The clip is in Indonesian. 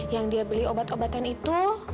yang dia beli obat obatan itu